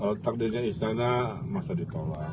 kalau takdirnya istana masa ditolak